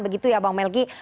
begitu ya bang melky